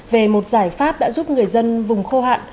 về một giải pháp đã giúp người dân vùng khô hạn